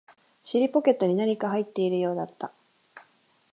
尻ポケットに何か入っているようだった